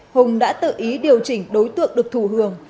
hùng đã tự ý điều chỉnh đối tượng được thù hưởng